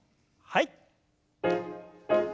はい。